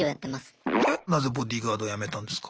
えっなぜボディーガード辞めたんですか？